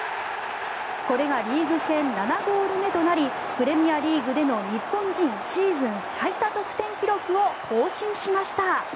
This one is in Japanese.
これがリーグ戦７ゴール目となりプレミアリーグでの日本人シーズン最多得点記録を更新しました。